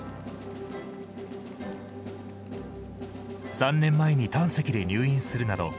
３年前に胆石で入院するなど